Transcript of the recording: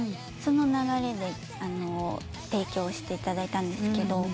その流れで提供していただいたんですけど。